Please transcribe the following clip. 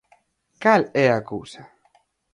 ¿Cal é a cousa?